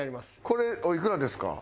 これおいくらですか？